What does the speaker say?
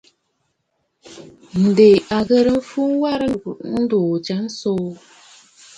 Ǹdè a ghɨrə mfu werə ndùuu wa nsoo.